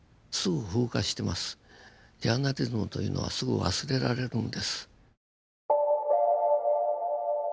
ジャーナリズムというのはすぐ忘れられるんです。